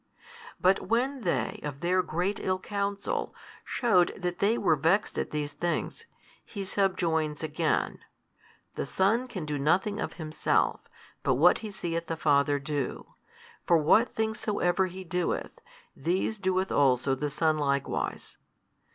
But when they of their great ill counsel shewed that they were vexed at these things, He subjoins again The Son can do nothing of Himself but what He seeth the Father do: for what things soever He doeth, these doeth also the Son likewise.